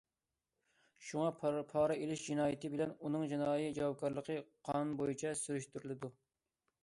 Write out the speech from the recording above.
شۇڭا، پارا ئېلىش جىنايىتى بىلەن ئۇنىڭ جىنايى جاۋابكارلىقى قانۇن بويىچە سۈرۈشتۈرۈلىدۇ.